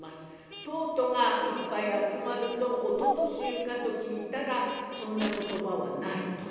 とうとがいっぱい集まるとおとと衆かと聞いたらそんな言葉はないと。